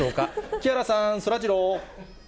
木原さん、そらジロー。